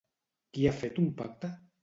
Qui ha fet un pacte?